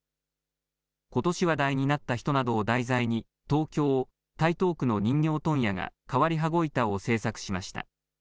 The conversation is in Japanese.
ことし話題になった人などを題材に、東京・台東区の人形問屋が変わり羽子板を制作しました。